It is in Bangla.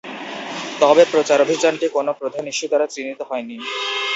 তবে প্রচারাভিযানটি কোন প্রধান ইস্যু দ্বারা চিহ্নিত হয়নি।